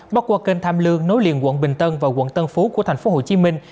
bắc qua kênh tham lương nối liền quận bình tân và quận tân phú của thành phố hồ chí minh